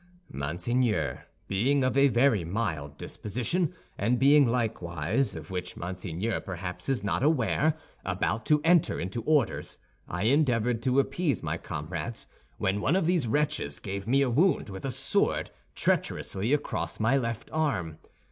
"Monseigneur, being of a very mild disposition, and being, likewise, of which Monseigneur perhaps is not aware, about to enter into orders, I endeavored to appease my comrades, when one of these wretches gave me a wound with a sword, treacherously, across my left arm.